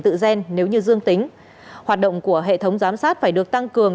nếu ghi nhận ca dương tính hoạt động của hệ thống giám sát phải được tăng cường